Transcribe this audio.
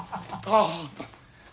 ああ。